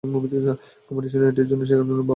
কম্পিটিশনে এন্ট্রির জন্য সেই কারণে মা-বাবা না বলছে।